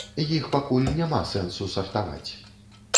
Іх пакуль няма сэнсу сартаваць.